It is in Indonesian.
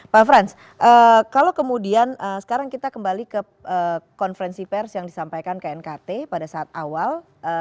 pak frans kalau kemudian sekarang kita kembali ke konferensi pers yang disampaikan knkt pada saat awal